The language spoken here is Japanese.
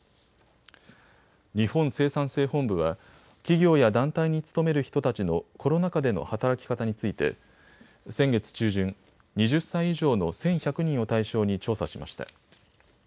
日本生産性本部は企業や団体に勤める人たちのコロナ禍での働き方について先月中旬、２０歳以上の１１００人を対象に調査しました。